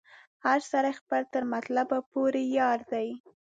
هر سړی خپل تر مطلب پوري یار دی